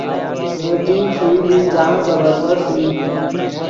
میٹنگ ݰوئی ڤی جاہند زبردست ݰوئی ڤی۔